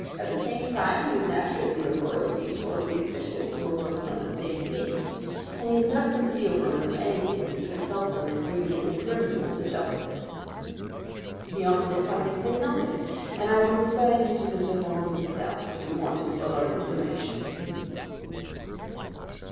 At the same time, he would naturally feel loyalty towards the officials who were working on the same case, and he would not conceal from them anything which would help them in bringing a criminal to justice. Beyond this I can say nothing, and I would refer you to Mr. Holmes himself if you wanted fuller information."